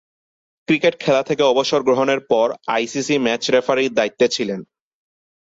Cricket খেলা থেকে অবসর গ্রহণের পর আইসিসি ম্যাচ রেফারির দায়িত্বে ছিলেন।